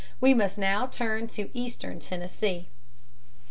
We must now turn to eastern Tennessee.